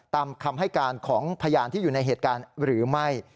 ตามคำให้การของพยานที่อยู่ในเหตุการณ์หรือไม่